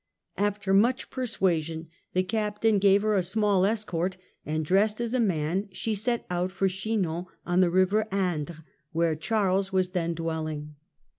After much persuasion the Captain gave her a small escort, and dressed as a man she set out for Chinon on the river Indre where Charles was then dwelling.